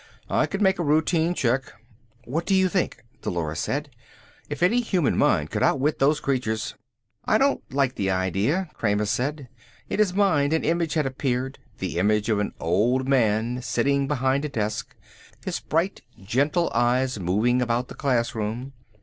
"I could make a routine check." "What do you think?" Dolores said. "If any human mind could outwit those creatures " "I don't like the idea," Kramer said. In his mind an image had appeared, the image of an old man sitting behind a desk, his bright gentle eyes moving about the classroom.